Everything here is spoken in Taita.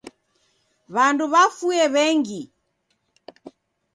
W'andu w'afue w'engi.